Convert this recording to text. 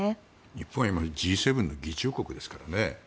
日本は今Ｇ７の議長国ですからね。